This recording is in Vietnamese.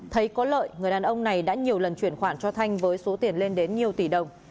thấy có lợi người đàn ông này đã nhiều lần chuyển khoản cho thanh với số tiền lên đến nhiều tỷ đồng